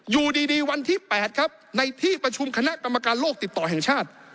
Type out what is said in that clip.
อยู่ดีวันที่๘ครับในที่ประชุมคณะกรรมการโลกติดต่อแห่งชาติ